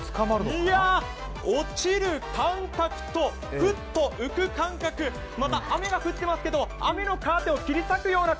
落ちる感覚とふっと浮く感覚また雨が降っていますけど、雨のカーテンを切り裂くような